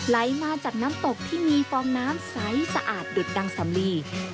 ไหลมาจากน้ำตกที่มีฟองน้ำใสสะอาดดุดดังสำลี